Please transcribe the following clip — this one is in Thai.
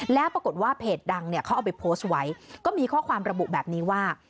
แล้วปรากฏว่าเพจดังเนี่ยเขาเอาไปโพสต์ไว้ก็มีข้อความระบุแบบนี้ว่า